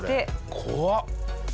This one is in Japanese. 怖っ！